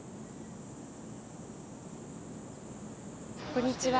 こんにちは。